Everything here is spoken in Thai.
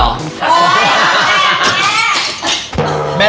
โอ๊ยถามแม่แม่